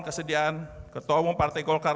kesediaan ketua umum partai golkar